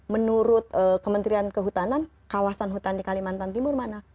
menurut kementerian kehutanan kawasan hutan di kalimantan timur mana